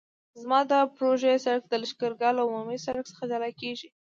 زما د پروژې سرک د لښکرګاه له عمومي سرک څخه جلا کیږي